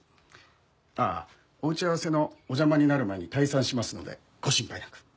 あっお打ち合わせのお邪魔になる前に退散しますのでご心配なく。